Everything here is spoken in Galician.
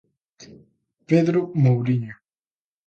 Pedro Mouriño.